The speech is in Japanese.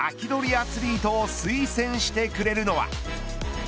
アツリートを推薦してくれるのは。